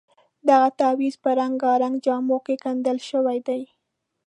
دغه تعویض په رنګارنګ جامو کې ګنډل شوی دی.